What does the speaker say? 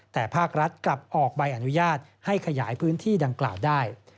แต่ภาครัฐกลับออกใบอนุญาตให้ขยายพื้นที่ดังกล่าวได้